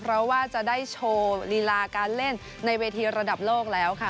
เพราะว่าจะได้โชว์ลีลาการเล่นในเวทีระดับโลกแล้วค่ะ